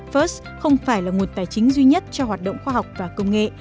first không phải là nguồn tài chính duy nhất cho hoạt động khoa học và công nghệ